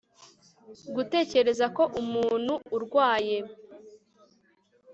gutekereza ko umuntu urwaye